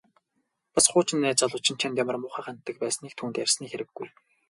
Бас хуучин найз залуу чинь чамд ямар муухай ханддаг байсныг түүнд ярьсны хэрэггүй.